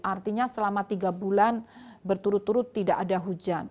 artinya selama tiga bulan berturut turut tidak ada hujan